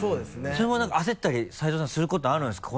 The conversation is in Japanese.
それも何か焦ったり斉藤さんすることあるんですか？